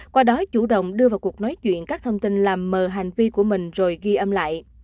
qua đó chủ động đưa vào cuộc nói chuyện các thông tin làm mờ hành vi của mình rồi ghi âm lại